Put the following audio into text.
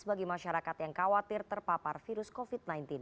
bagi masyarakat yang khawatir terpapar virus covid sembilan belas